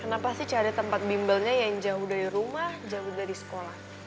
kenapa sih cari tempat bimbelnya yang jauh dari rumah jauh dari sekolah